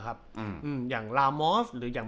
ยกตัวอย่างง่ายเห็นแบบชัดเลยครับ